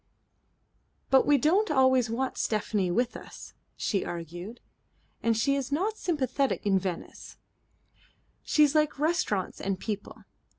"But we don't always want Stephanie with us," she argued, "and she is not sympathetic in Venice. She likes restaurants and people.